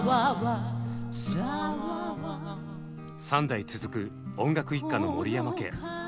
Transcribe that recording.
３代続く音楽一家の森山家。